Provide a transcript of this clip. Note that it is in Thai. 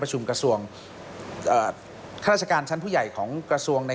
กระทรวงข้าราชการชั้นผู้ใหญ่ของกระทรวงใน